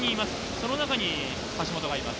その中に橋本がいます。